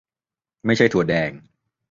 ไม่ใช่ถั่วแดง